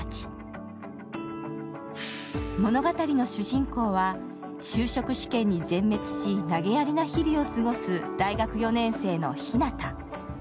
物語の主人公は就職試験に全滅し、投げやりな日々を過ごす大学４年生の日向。